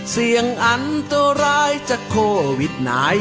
เสี่ยงอันตัวร้ายจากโควิด๑๙